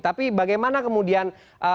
tapi bagaimana kemudian